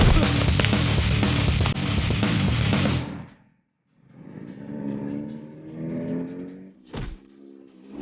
lo sudah bisa berhenti